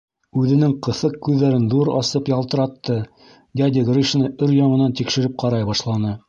Үҙенең ҡыҫыҡ күҙҙәрен ҙур асып ялтыратты, дядя Гришаны өр-яңынан тикшереп ҡарай башланы.